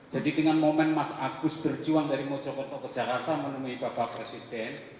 jadi dengan momen mas agus terjuang dari mojokoto ke jakarta menemui bapak presiden